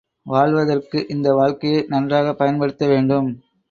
வாழ்வதற்கு இந்த வாழ்க்கையை நன்றாகப் பயன்படுத்த வேண்டும்.